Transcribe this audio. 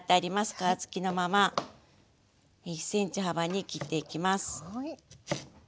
皮つきのまま１ｃｍ幅に切っていきます。